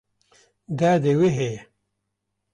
Derdê wê heye.